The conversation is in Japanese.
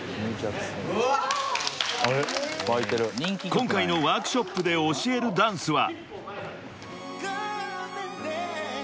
［今回のワークショップで教えるダンスは］